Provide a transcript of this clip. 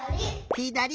ひだり！